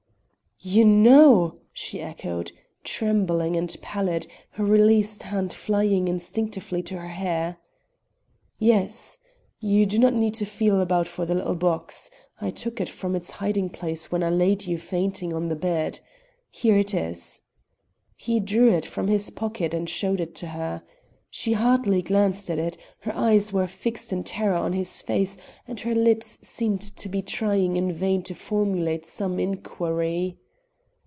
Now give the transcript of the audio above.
"You know!" she echoed, trembling and pallid, her released hand flying instinctively to her hair. "Yes; you need not feel about for the little box. I took it from its hiding place when I laid you fainting on the bed. Here it is." He drew it from his pocket and showed it to her. She hardly glanced at it; her eyes were fixed in terror on his face and her lips seemed to be trying in vain to formulate some inquiry.